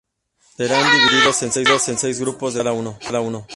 Serán divididos en seis grupos de cuatro cada uno.